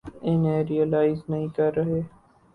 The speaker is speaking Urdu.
انہیں ریلیز نہیں کر رہے۔